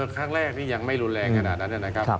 ครั้งแรกที่ยังไม่รุนแรงขนาดนั้นนะครับ